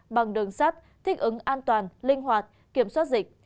bằng đường sắt thích ứng an toàn linh hoạt kiểm soát dịch